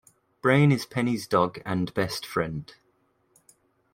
Brain is Penny's dog and best friend.